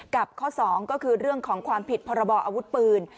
ข้อ๒ก็คือเรื่องของความผิดพรบออาวุธปืน